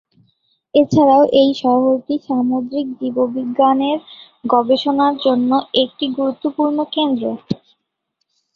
এছাড়াও এই শহরটি সামুদ্রিক জীববিজ্ঞানের গবেষণার জন্য একটি গুরুত্বপূর্ণ কেন্দ্র।